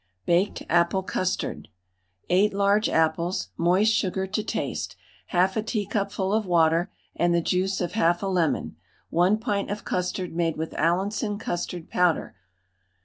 BAKED APPLE CUSTARD. 8 large apples, moist sugar to taste, half a teacupful of water and the juice of half a lemon, 1 pint of custard made with Allinson custard powder.